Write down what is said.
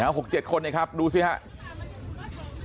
เหนียว๖๗คนเลยครับดูสิครับ